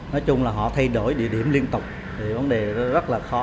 nói chung là họ thay đổi địa điểm liên tục thì vấn đề rất là khó